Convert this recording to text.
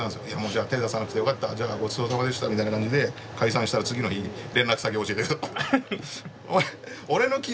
じゃあ手ぇ出さなくてよかったじゃあごちそうさまでしたみたいな感じで解散したらおい俺の昨日の話聞いてなかったんすか？